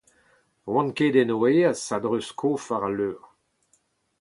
Ne oant ket en o aez a-dreuz-kof war al leur.